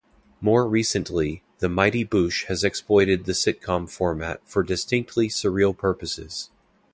More recently, The Mighty Boosh has exploited the sitcom format for distinctly surreal purposes.